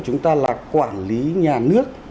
chúng ta là quản lý nhà nước